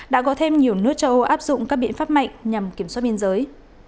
đã có thêm nhiều nước châu âu áp dụng các biện pháp mạnh nhằm kiểm soát biên giới